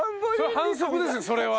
反則ですよそれは。